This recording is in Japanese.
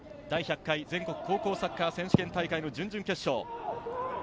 第１００回全国高校サッカー選手権大会の準々決勝。